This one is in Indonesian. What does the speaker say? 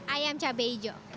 ayam cabai hijau